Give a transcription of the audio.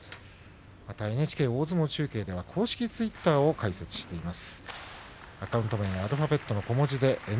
ＮＨＫ大相撲中継では公式ツイッターを開設しています。